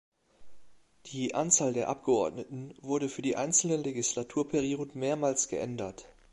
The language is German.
Die Anzahl der Abgeordneten wurde für die einzelnen Legislaturperioden mehrmals geändert.